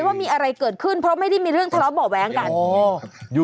ว่ามีอะไรเกิดขึ้นเพราะไม่ได้มีเรื่องทะเลาะเบาะแว้งกัน